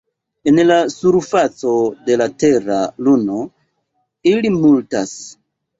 En la surfaco de la Tera Luno ili multas.